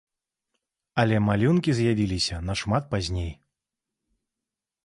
Але малюнкі з'явіліся нашмат пазней.